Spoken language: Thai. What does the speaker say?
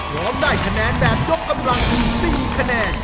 ร้องได้คะแนนแบบยกกำลังถึง๔คะแนน